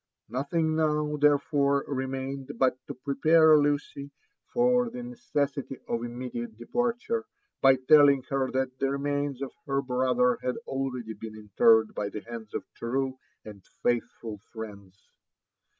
Nothing now, therefore, remained but to prepare Lucy for the ne cessity of immediate departure, by telling her that the remains of her brother had already been interred by the bands of true and faithful friends.